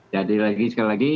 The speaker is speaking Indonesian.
jadi lagi sekali lagi